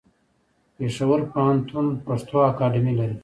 پېښور پوهنتون پښتو اکاډمي لري.